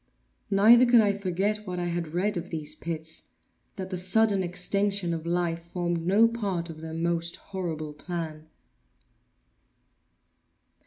Neither could I forget what I had read of these pits—that the sudden extinction of life formed no part of their most horrible plan.